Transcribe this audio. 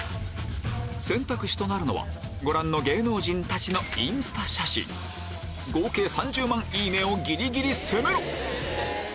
選択肢となるのはご覧の芸能人たちのインスタ写真合計３０万いいねをギリギリ攻めろ！